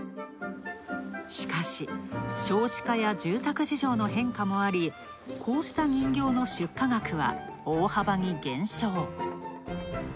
しかし少子化や住宅事情の変化もありこうした人形の出荷額は、大幅に減少。